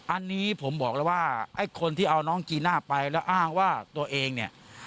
อันนี้ผมบอกแล้วว่าไอ้คนที่เอาน้องจีน่าไปแล้วอ้างว่าตัวเองเนี่ย